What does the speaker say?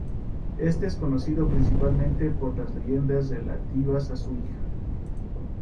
Éste es conocido principalmente por las leyendas relativas a su hija.